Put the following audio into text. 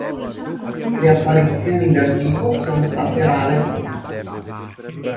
Le apparizioni dal vivo sono state rare.